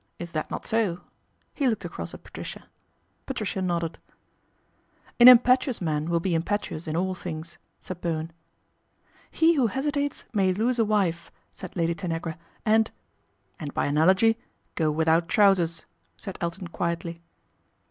Is that not so ?" He looked across at atricia. Patricia nodded. " An impetuous man will be impetuous in all lings," said Bowen. He who hesitates may lose a wife," said ady Tanagra, " and "" And by analogy, go without trousers," said Iton quietly.